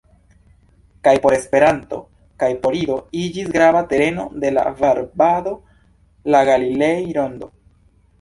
Kaj por Esperanto, kaj por Ido iĝis grava tereno de la varbado la Galilei-Rondo.